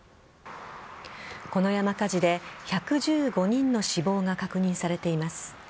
この山火事で１１５人の死亡が確認されています。